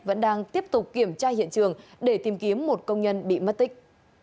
công an tỉnh long an đã tiếp tục kiểm tra hiện trường để tìm kiếm một công nhân bị mất tích